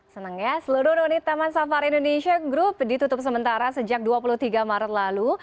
senang ya seluruh unit taman safari indonesia group ditutup sementara sejak dua puluh tiga maret lalu